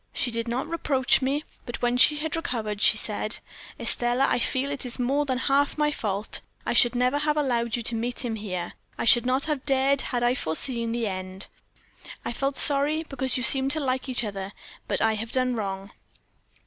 She did not reproach me; but when she had recovered, she said: "'Estelle, I feel that it is more than half my fault I should never have allowed you to meet him here. I should not have dared if I had foreseen the end. I felt sorry, because you seemed to like each other; but I have done wrong.'